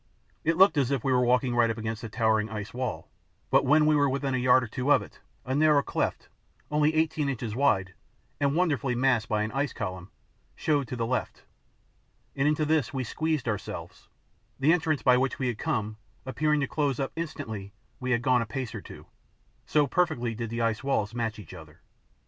It looked as if we were walking right against the towering ice wall, but when we were within a yard or two of it a narrow cleft, only eighteen inches wide, and wonderfully masked by an ice column, showed to the left, and into this we squeezed ourselves, the entrance by which we had come appearing to close up instantly we had gone a pace or two, so perfectly did the ice walls match each other.